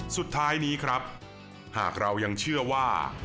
สุดท้ายนี้ครับหากเรายังเชื่อว่า